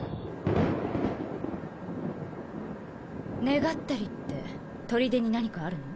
願ったりって砦に何かあるの？